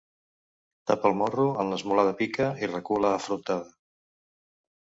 Topa de morro en l'esmolada pica i recula afrontada...